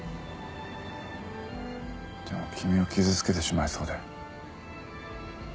でも君を傷つけてしまいそうで。